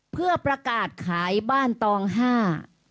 เพื่อประกาศขายบ้านตองห้า